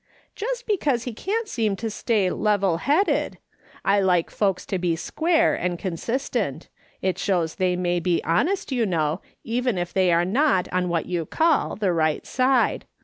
" Just because he can't seem to stay 'level headed'; I like folks to be square and consistent ; it shows they may be honest, you know, even if they are not on what you call the right side.